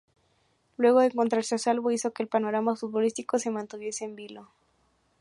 Luego de encontrarse a salvo hizo que el panorama futbolístico se mantuviese en vilo.